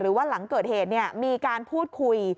หรือว่าหลังเกิดเหตุเนี่ยมีการพูดคุย